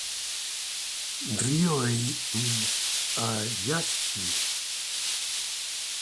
Ryohei Hayashi